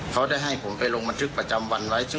เขาได้ให้ผมไปลงบันทึกประจำวันไว้